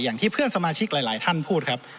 อย่างที่เพื่อนสมาชิกหลายท่านพูดครับ